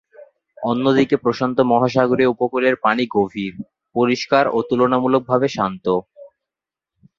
অন্যদিকে প্রশান্ত মহাসাগরীয় উপকূলের পানি গভীর, পরিষ্কার ও তুলনামূলকভাবে শান্ত।